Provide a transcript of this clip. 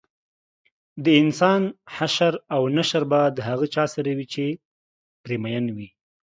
دانسان حشر او نشر به د هغه چا سره وي چې پرې مین وي